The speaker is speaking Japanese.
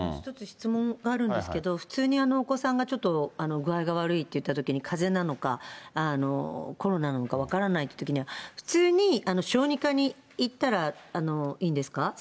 １つ質問があるんですけれども、普通にお子さんがちょっと具合が悪いと言ったときに、かぜなのか、コロナなのか分からないというときには、普通に小児科に行ったらいいんですか？